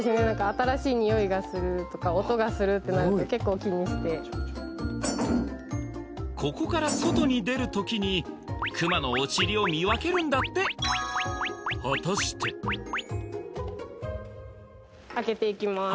新しいにおいがするとか音がするってなって結構気にしてここから外に出る時にクマのお尻を見分けるんだって果たして開けていきます